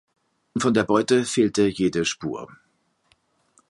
Von der Beute fehlte jede Spur.